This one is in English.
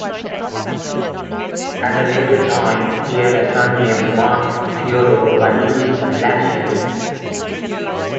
At a later time, he had a son named Marc Theodore by Luz Palacios.